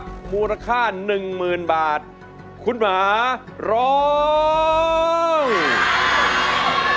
ก็เป็นภาพยนตร์มาก่อนแล้วก็มาสร้างเป็นละครกันหลายรอบมากทีดียวนะครับ